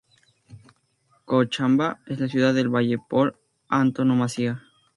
Cochabamba es la ciudad del valle, por antonomasia.